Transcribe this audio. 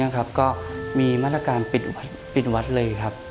ก็มีมาตรการปิดวัดเลยครับ